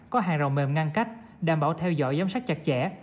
có hàng rào mềm ngăn cách đảm bảo theo dõi giám sát chặt chẽ